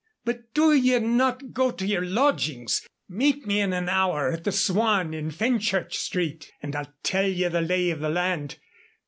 But do ye not go to yer lodgings. Meet me in an hour at the Swan in Fenchurch Street, and I'll tell ye the lay of the land.